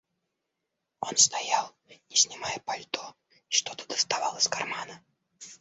Он стоял, не снимая пальто, и что-то доставал из кармана.